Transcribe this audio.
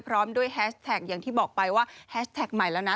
พร้อมด้วยแฮชแท็กอย่างที่บอกไปว่าแฮชแท็กใหม่แล้วนะ